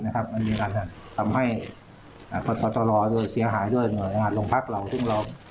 ทำให้ตลอดเสียหายด้วยลงพักเหล่าทุ่มล้อม